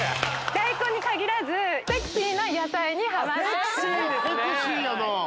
大根に限らずセクシーな野菜にハマって。